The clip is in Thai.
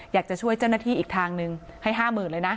อยากจะช่วยเจ้าหน้าที่อีกทางนึงให้๕๐๐๐เลยนะ